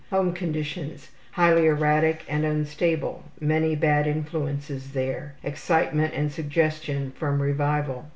Home conditions: Highly erratic and unstable. Many bad influences there. Excitement and suggestion from revival.